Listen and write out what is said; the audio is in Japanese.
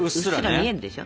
見えるでしょ？